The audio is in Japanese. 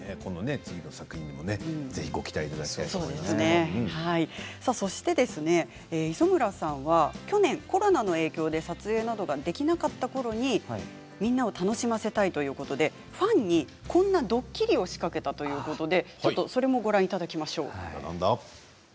次の作品にも磯村さんは去年コロナの影響で撮影などができなかったころにみんなを楽しませたいということで、ファンにこんなドッキリを仕掛けたということです。